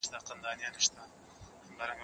زه له سهاره موبایل کاروم